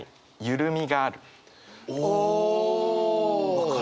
分かる。